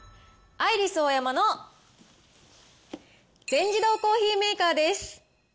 アイリスオーヤマの全自動コーヒーメーカーです。